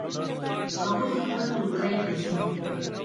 هغوی خپل ټولګی ته ځي